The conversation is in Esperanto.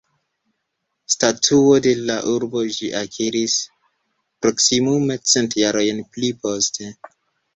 Statuon de la urbo ĝi akiris proksimume cent jarojn pli poste.